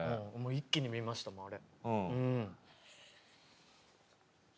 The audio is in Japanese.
一気に見ましたもんあれ。